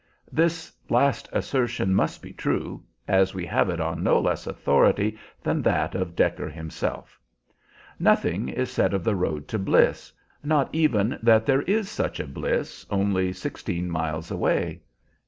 This last assertion must be true, as we have it on no less authority than that of Decker himself. Nothing is said of the road to Bliss, not even that there is such a Bliss only sixteen miles away.